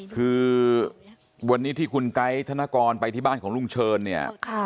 คือวันนี้ที่คุณไก๊ธนกรไปที่บ้านของลุงเชิญเนี่ย